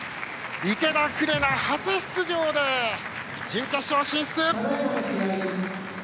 池田紅、初出場で準決勝進出！